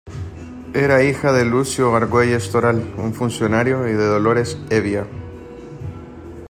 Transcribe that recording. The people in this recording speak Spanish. Era hija de Lucio Argüelles Toral, un funcionario, y de Dolores Hevia.